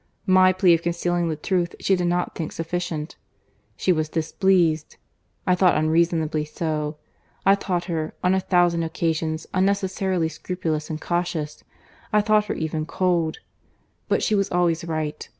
—My plea of concealing the truth she did not think sufficient.—She was displeased; I thought unreasonably so: I thought her, on a thousand occasions, unnecessarily scrupulous and cautious: I thought her even cold. But she was always right.